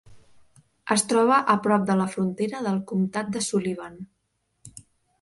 Es troba a prop de la frontera del comtat de Sullivan.